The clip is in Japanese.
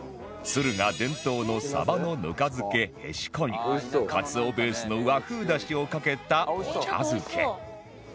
敦賀伝統のサバのぬか漬けへしこにカツオベースの和風だしをかけたお茶漬け